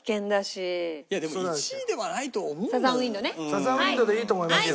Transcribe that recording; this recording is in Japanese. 『サザン・ウインド』でいいと思いますよ。